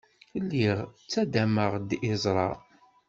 Lliɣ ttaddameɣ-d iẓra.